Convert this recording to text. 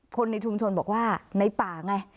คนในชุมชนบอกว่าในป่าไง